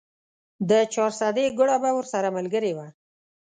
د چارسدې ګوړه به ورسره ملګرې وه.